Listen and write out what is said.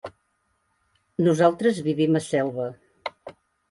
Nosaltres vivim a Selva.